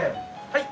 はい。